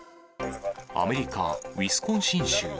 アメリカ・ウィスコンシン州。